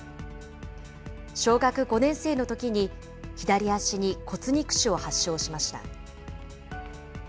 小学５年生のときに左足に骨肉腫を発症しました。